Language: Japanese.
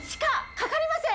かかりません。